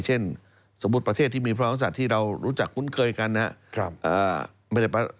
เช่นสมมุติประเทศที่มีพระศัตริย์ที่เรารู้จักคุ้นเคยกันนะครับ